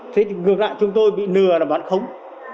thì ngược lại chúng tôi bị nừa là bán khống